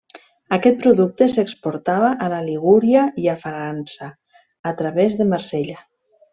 Aquest producte s'exportava a la Ligúria i a França, a través de Marsella.